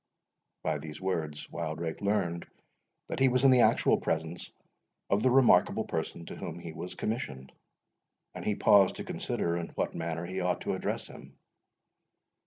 By these words, Wildrake learned that he was in the actual presence of the remarkable person to whom he was commissioned; and he paused to consider in what manner he ought to address him.